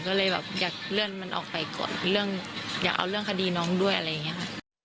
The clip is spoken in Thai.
ก็เลยแบบอยากเลื่อนมันออกไปก่อนเรื่องอยากเอาเรื่องคดีน้องด้วยอะไรอย่างนี้ค่ะ